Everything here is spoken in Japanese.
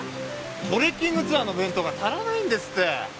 トレッキングツアーの弁当が足らないんですって。